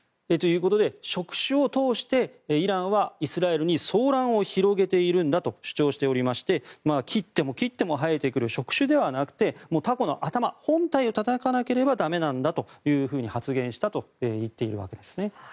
触手を通してイランはイスラエルに騒乱を広げているんだと主張しておりまして切っても切っても生えてくる触手ではなくてタコの頭、本体をたたかなければ駄目なんだと発言したと言っているわけです。